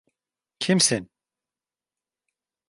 Kimsin?